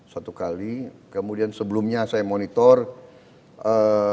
satu kali kemudian sebelumnya saya monitor